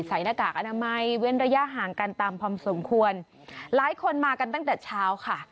หน้ากากอนามัยเว้นระยะห่างกันตามพอสมควรหลายคนมากันตั้งแต่เช้าค่ะ